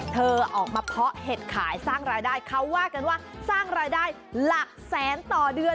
เธอออกมาเพาะเห็ดขายสร้างรายได้เขาว่ากันว่าสร้างรายได้หลักแสนต่อเดือน